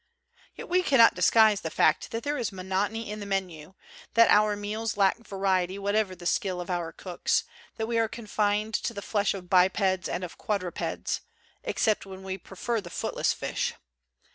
Yet we cannot disguise the fact that there is monotony in the menu, that our meals lack variety whatever the skill of our cooks, that we are confined to the flesh of bipeds and of quad rupeds, except when we prefer the footless fish.